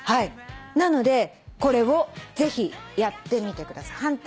なのでこれをぜひやってみてください。